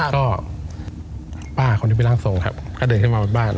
ก็ป้าคนที่ไปล่างทรงครับเขาเดินขึ้นมาบ้าน